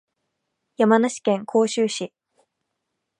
山梨県甲州市